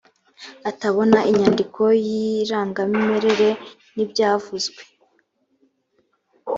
atabona inyandiko y irangamimerere n ibyavuzwe